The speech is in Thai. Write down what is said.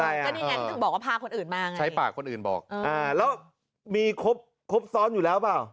อะไรอ่ะใช้ปากคนอื่นบอกเออแล้วมีครบซ้อนอยู่แล้วเปล่า